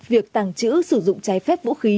việc tàng trữ sử dụng trái phép vũ khí